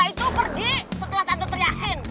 itu pergi setelah tante teriakin